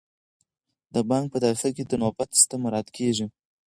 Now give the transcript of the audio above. د بانک په داخل کې د نوبت سیستم مراعات کیږي.